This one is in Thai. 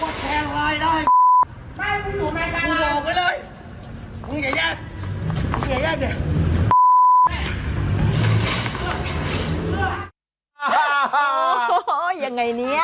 โอ้โหยังไงเนี่ย